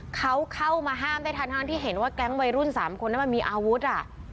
เขาเข้ามาห้ามได้ทันทั้งที่เห็นว่าแก๊งวัยรุ่น๓คนนั้นมันมีอาวุธอ่ะ